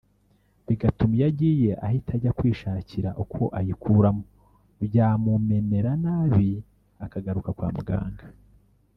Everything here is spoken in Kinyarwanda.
bigatuma iyo agiye ahita ajya kwishakira uko ayikuramo byamumenera nabi akagaruka kwa muganga